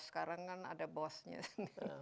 sekarang kan ada bosnya